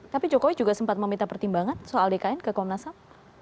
tapi jokowi juga sempat meminta pertimbangan soal dkn ke komnas ham